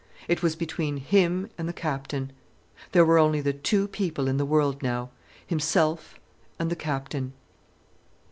It was between him and the Captain. There were only the two people in the world now—himself and the Captain.